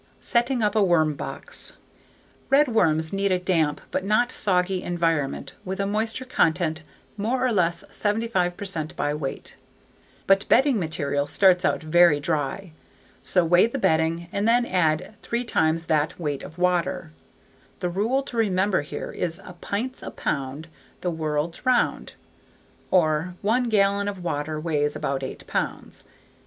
Setting Up a Worm Box Redworms need a damp but not soggy environment with a moisture content more or less 75 percent by weight. But bedding material starts out very dry. So weigh the bedding and then add three times that weight of water. The rule to remember here is "a pint's a pound the world 'round," or one gallon of water weighs about eight pounds.